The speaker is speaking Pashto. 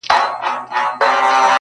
o په باغ کي الو غيم، په کلي کي بِلرغو!